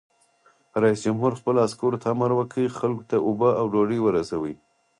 رئیس جمهور خپلو عسکرو ته امر وکړ؛ خلکو ته اوبه او ډوډۍ ورسوئ!